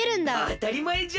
あたりまえじゃ！